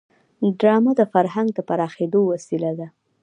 ډرامه د فرهنګ د پراخېدو وسیله ده